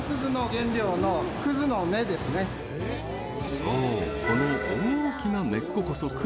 そう、この大きな根っここそ葛の原料。